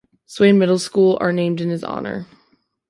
Swain Middle School are named in his honor.